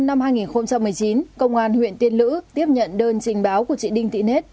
cơ quan kế sát điều tra công an huyện tiên lữ tiếp nhận đơn trình báo của chị đinh tị nết